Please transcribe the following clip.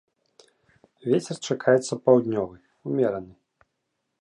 Вецер чакаецца паўднёвы, умераны.